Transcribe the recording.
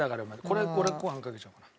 これ俺ご飯かけちゃおうかな。